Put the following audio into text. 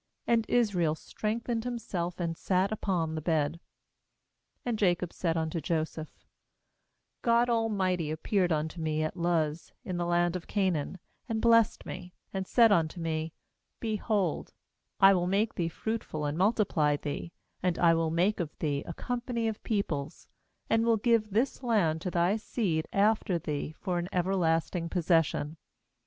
And Israel strengthened himself, and sat . upon the bed. 3And Jacob said unto Joseph :' God Almighty appeared un to me at Luz in the land of Canaan, and blessed me, 4and said unto me: Behold, I will make thee fruitful, and multiply thee, and I will make of thee a company of peoples; and will give this land to thy seed after thee for an everlasting possession.